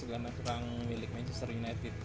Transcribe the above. karena sekarang milik manchester united